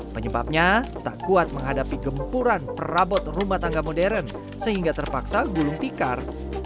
penyebabnya tak kuat menghadapi gempuran perabot rumah tangga modern sehingga terpaksa gulung tikar